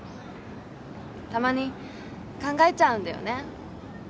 たまに考えちゃうんだよね。